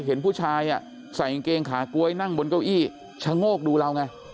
เห็นผู้ชายใส่กางเกงขาก๊วยนั่งบนเก้าอี้ชะโงกดูเราไง